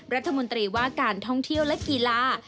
รัฐมนตรีว่าการท่องเที่ยวและกีฬา